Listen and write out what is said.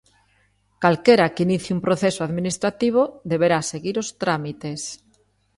Calquera que inicie un proceso administrativo deberá seguir os trámites.